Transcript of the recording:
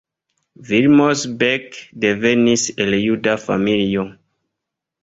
Vilmos Beck devenis el juda familio.